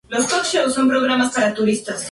El juego generó una serie de secuelas.